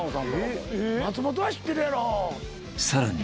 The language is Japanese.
［さらに］